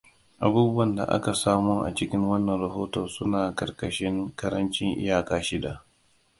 Abubuwan da aka samo a cikin wannan rahoto suna ƙarƙashin ƙarancin iyaka shida.